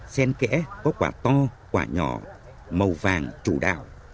sen kẽ có quả to quả nhỏ màu vàng chủ đạo